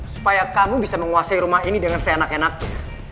supaya kamu bisa menguasai rumah ini dengan seenak enaknya